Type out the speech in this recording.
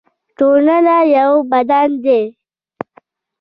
ټولنه یو بدن دی